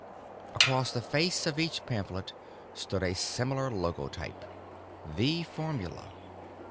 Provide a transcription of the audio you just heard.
Across the face of each pamphlet stood a similar logotype: the formula.